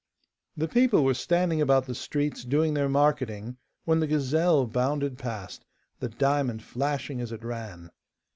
The people were standing about the streets doing their marketing, when the gazelle bounded past, the diamond flashing as it ran.